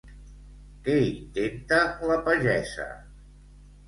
Què intenta la pagesa?